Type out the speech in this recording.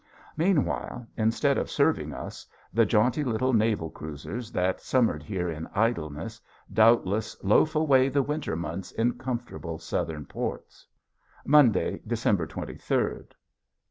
Meanwhile, instead of serving us, the jaunty little naval cruisers that summered here in idleness doubtless loaf away the winter months in comfortable southern ports. [Illustration: CAIN] Monday, December twenty third.